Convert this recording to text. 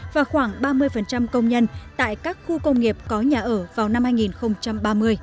và khoảng ba mươi công nhân tại các khu công nghiệp có nhà ở vào năm hai nghìn ba mươi